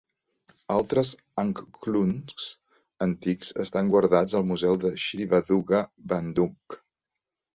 Altres angklungs antics estan guardats al Museu de Sri Baduga, Bandung.